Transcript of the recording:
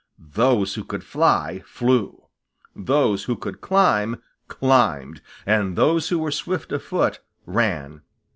Those who could fly, flew. Those who could climb, climbed. And those who were swift of foot, ran.